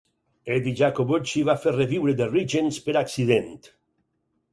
Eddie Jacobucci va fer reviure The Regents per accident.